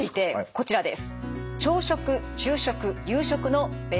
こちらです。